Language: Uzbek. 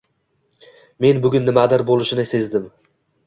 Men bugun nimadir bo’lishini sezdim…